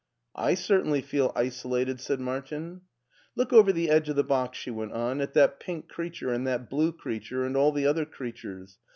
I certainly feel isolated," said Martin. Look over the edge of the box," she went on, " at that pink creature and that blue creature and all the other creatures.